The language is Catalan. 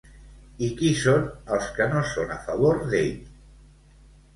I qui són els que no són a favor d'ell?